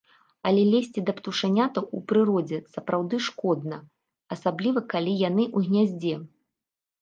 Але лезці да птушанятаў у прыродзе сапраўды шкодна, асабліва калі яны ў гняздзе.